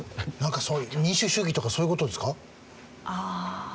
なんかそういう民主主義とかそういう事ですか？